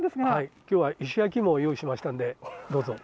きょうは石焼きいもを用意しましたんで、どうぞ。